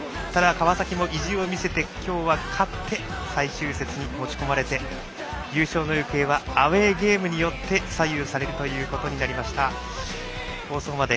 川崎も意地を見せて今日は勝って最終節に持ち込まれて優勝の行方はアウェーゲームによって左右されるということになりました。